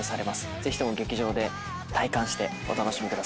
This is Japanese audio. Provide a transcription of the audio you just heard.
ぜひとも劇場で体感してお楽しみください。